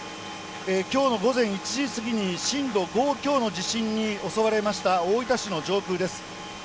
きょうの午前１時過ぎに震度５強の地震に襲われました大分市の上空です。